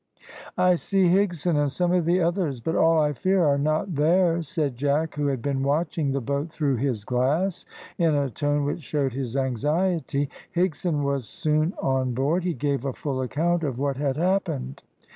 "I see Higson, and some of the others, but all I fear are not there," said Jack, who had been watching the boat through his glass, in a tone which showed his anxiety. Higson was soon on board. He gave a full account of what had happened.